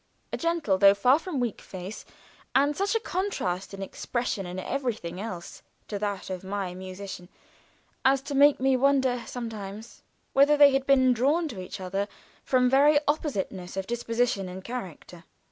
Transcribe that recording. A gentle, though far from weak face, and such a contrast in expression and everything else to that of my musician, as to make me wonder sometimes whether they had been drawn to each other from very oppositeness of disposition and character.